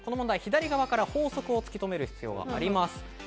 左側から法則を突き止める必要があります。